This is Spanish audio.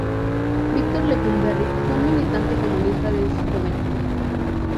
Víctor Lecumberri fue un militante comunista desde su juventud.